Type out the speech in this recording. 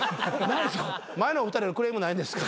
前のお二人のクレームないんですか？